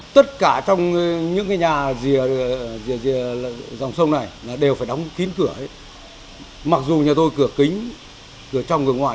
tất cả trong những nhà rìa dòng sông này đều phải đóng kín cửa mặc dù nhà tôi cửa kính cửa trong và ngoài